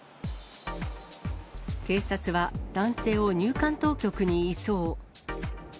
警察は、男性を入管当局に移送。